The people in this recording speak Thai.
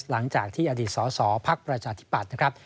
หลังจากที่อดีตสอสอภักราชอธิบัตรนะครับ